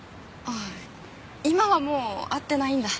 今はもう会ってないんだ。